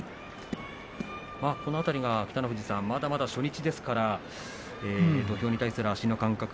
この辺りは北の富士さんまだまだ初日ですから土俵に対する足の感覚。